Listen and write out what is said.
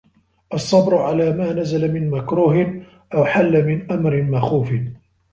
الصَّبْرُ عَلَى مَا نَزَلَ مِنْ مَكْرُوهٍ أَوْ حَلَّ مِنْ أَمْرٍ مَخُوفٍ